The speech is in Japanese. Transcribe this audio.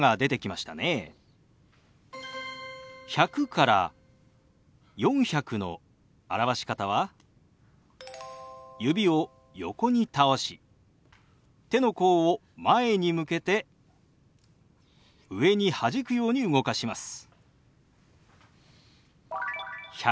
１００から４００の表し方は指を横に倒し手の甲を前に向けて上にはじくように動かします。